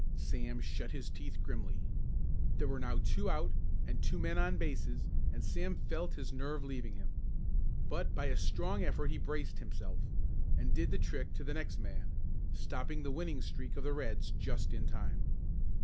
Sam shut his teeth grimly. There were now two out and two men on bases and Sam felt his nerve leaving him. But by a strong effort he braced himself, and did the trick to the next man, stopping the winning streak of the Reds just in time.